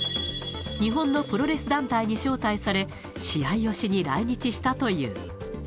日本のプロレス団体に招待され、試合をしに来日したという。